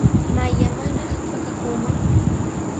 ¿Mayllamanraq pakakuuman?